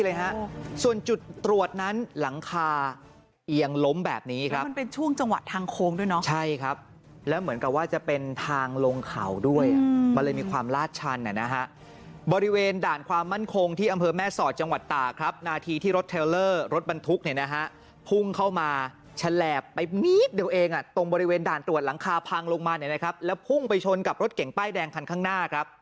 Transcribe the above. ซึ่งกับส่วนจุดตรวจนั้นหลังคายงล้มแบบนี้ครับไปช่วงจังหวะทางโครงด้วยน้องใช่ครับแล้วเหมือนกันว่าจะเป็นทางลงเข่าด้วยมันได้มีความลาดชันนะฮะ